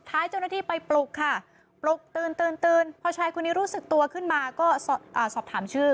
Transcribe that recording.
ท้ายเจ้าหน้าที่ไปปลุกค่ะปลุกตื่นตื่นพอชายคนนี้รู้สึกตัวขึ้นมาก็สอบถามชื่อ